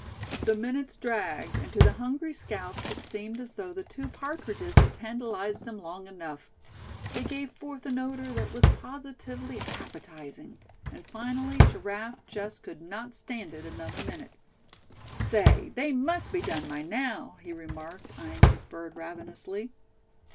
The minutes dragged, and to the hungry scouts it seemed as though the two partridges had tantalized them long enough. They gave forth an odor that was positively appetizing; and finally Giraffe just could not stand it another minute. "Say, they must be done by now," he remarked, eying his bird ravenously.